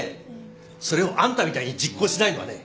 それをあんたみたいに実行しないのはね